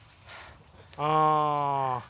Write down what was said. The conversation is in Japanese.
ああ。